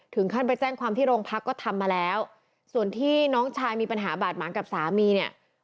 ถึงขั้นไปแจ้งความที่โรงพักก็ทำมาแล้วส่วนที่น้องชายมีปัญหาบาดหมางกับสามีเนี่ย